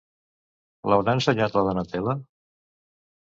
L'haurà ensenyat la Donatella?